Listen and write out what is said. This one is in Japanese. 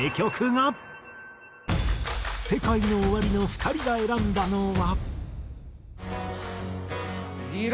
ＳＥＫＡＩＮＯＯＷＡＲＩの２人が選んだのは。